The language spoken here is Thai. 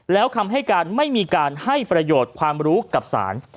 แล้วคำให้การไม่มีการให้ประโยชน์ความรู้กับศาล